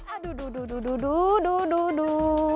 aduh duduh duduh duduh duduh duduh